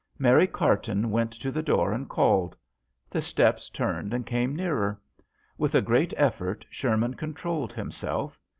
Mary Carton went to the door and called. The steps turned and came nearer. With a great effort Sherman controlled him self.